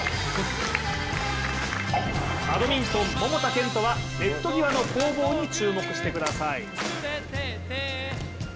バドミントン、桃田賢斗はネット際の攻防に注目してください。